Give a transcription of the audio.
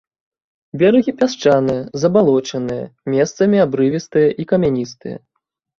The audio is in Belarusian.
Берагі пясчаныя, забалочаныя, месцамі абрывістыя і камяністыя.